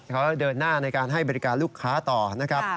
เขาเดินหน้าในการให้บริการลูกค้าต่อนะครับ